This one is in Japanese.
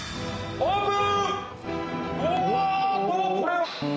オープン！